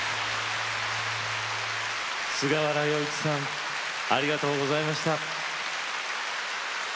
菅原洋一さんありがとうございました。